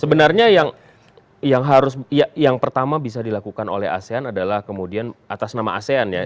sebenarnya yang harus yang pertama bisa dilakukan oleh asean adalah kemudian atas nama asean ya